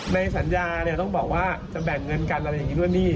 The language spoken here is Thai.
ในสัญญาเนี่ยต้องบอกว่าจะแบ่งเงินกันอะไรอย่างนี้ด้วยหนี้